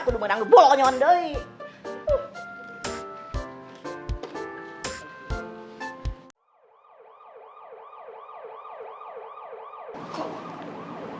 aku udah menanggebolo nyonya